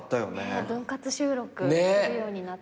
分割収録するようになって。